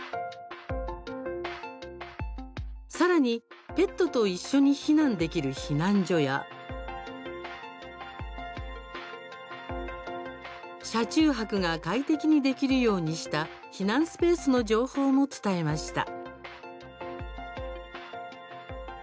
さらにペットと一緒に避難できる避難所や車中泊が快適にできるようにした避難スペースの情報も伝えました。